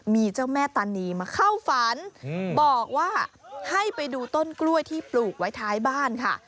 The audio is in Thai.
มีเจ้าแม่ตานีมาเข้าฝันบอกว่าให้ไปดูต้นกล้วยที่ปลูกไว้ท้ายบ้านค่ะ